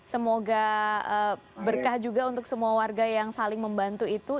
semoga berkah juga untuk semua warga yang saling membantu itu